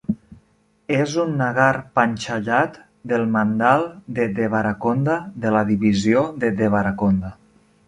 És un nagar panchayat del mandal de Devarakonda de la divisió de Devarakonda.